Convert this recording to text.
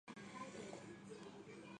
It also runs on Haiku.